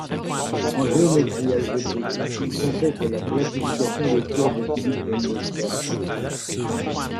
En géométrie algébrique, il complète la classification des courbes cubiques de Newton.